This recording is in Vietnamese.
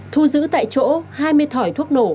thu giữ tại chỗ hai mươi thỏi thuốc nổ